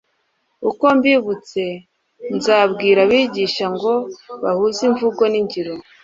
uko mbibutse nzabwira abigisha ngo bahuze imvugo n'ingiro